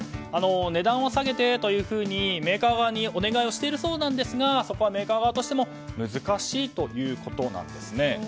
値段を下げてというふうにメーカー側にお願いしているそうですがそこはメーカー側としても難しいということなんですね。